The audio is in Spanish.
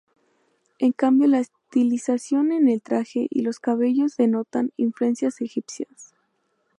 En cambio la estilización en el traje y los cabellos denotan influencias egipcias.